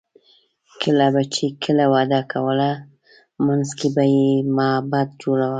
کله به چې کلي وده کوله، منځ کې به یې معبد جوړاوه.